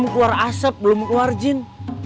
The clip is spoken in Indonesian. keluar asap belum keluar jin